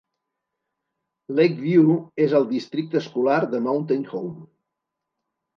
Lakeview es al districte escolar de Mountain Home.